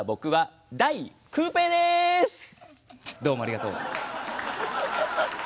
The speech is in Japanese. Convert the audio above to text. どうもありがとう！